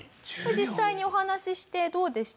実際にお話ししてどうでした？